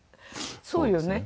そうよね？